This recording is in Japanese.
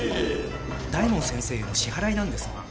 大門先生への支払いなんですが。